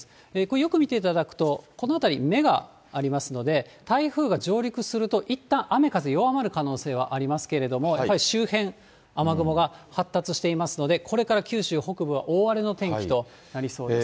よく見ていただくと、この辺り、目がありますので、台風が上陸すると、いったん雨風弱まる可能性はありますけれども、周辺、雨雲が発達していますので、これから九州北部は大荒れの天気となりそうです。